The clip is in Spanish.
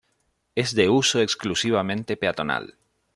Es de uso exclusivamente peatonal.